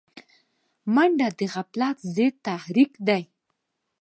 منډه د غفلت ضد تحرک دی